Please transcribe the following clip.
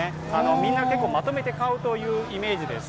みんな結構まとめて買うというイメージです。